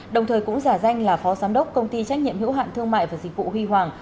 đồng thời cũng giả danh là phó giám đốc công ty trách nhiệm hữu hạn thương mại và dịch vụ huy hoàng